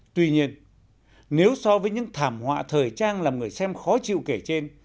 tuy nhiên nếu so với những thảm họa thời trang làm người xem khó chịu kể trên